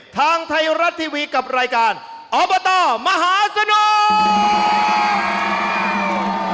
ทางไทยรัฐทีวีกับรายการอบตมหาสนุก